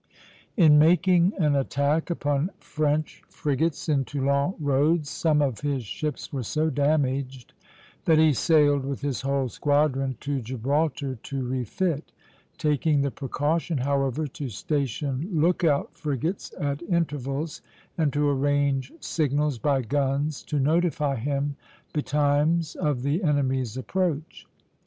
In making an attack upon French frigates in Toulon roads, some of his ships were so damaged that he sailed with his whole squadron to Gibraltar to refit; taking the precaution, however, to station lookout frigates at intervals, and to arrange signals by guns to notify him betimes of the enemy's approach.